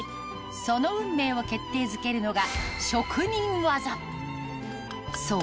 その運命を決定づけるのがそう